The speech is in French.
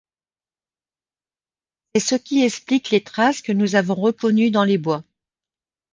C’est ce qui explique les traces que nous avons reconnues dans les bois